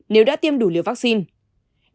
nếu đã tiêm đủ liều vaccine